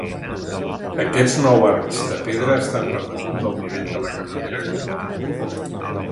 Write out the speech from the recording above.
Aquests nou arcs de pedra estan per damunt del nivell de la carretera actual.